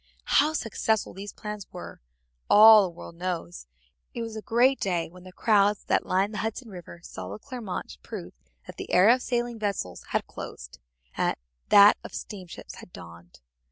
How successful those plans were all the world knows. It was a great day when the crowds that lined the Hudson River saw the Clermont prove that the era of sailing vessels had closed, and that of steamships had dawned.